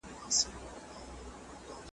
که پاملرنه وي نو زده کوونکی نه وروسته پاتې کیږي.